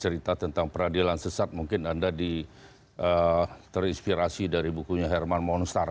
cerita tentang peradilan sesat mungkin anda terinspirasi dari bukunya herman monster